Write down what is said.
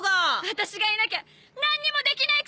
私がいなきゃ何にもできないくせに！